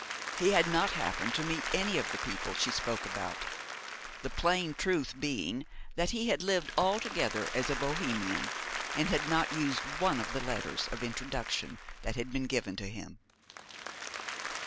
He had not happened to meet any of the people she spoke about: the plain truth being that he had lived altogether as a Bohemian, and had not used one of the letters of introduction that had been given to him.